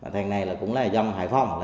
thằng này cũng là dân hải phòng